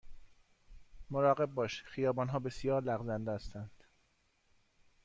مراقب باش، خیابان ها بسیار لغزنده هستند.